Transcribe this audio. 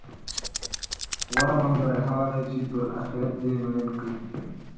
غوره ملګری هغه دی، چې پر اخرت دې میین کړي،